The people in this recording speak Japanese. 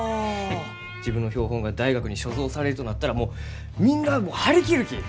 自分の標本が大学に所蔵されるとなったらもうみんなあも張り切るき！